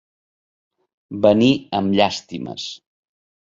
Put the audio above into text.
Venir amb llàstimes.